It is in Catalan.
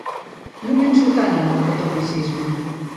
No penso tant en el catolicisme.